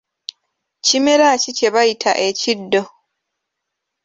Kimera ki kye bayita ekiddo?